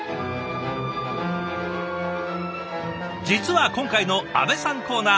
実は今回の阿部さんコーナー